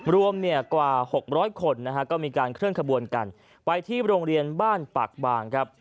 รวมเนี่ยกว่า๖๐๐คนนะฮะก็มีการเคลื่อนขบวนกันไปที่โรงเรียนบ้านปากบางครับ